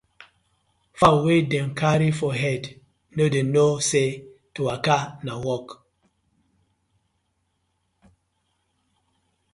Fowl wey dem carry for head no dey know say to waka na work: